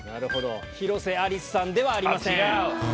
広瀬アリスさんではありません。